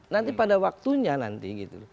nanti pada waktunya nanti gitu loh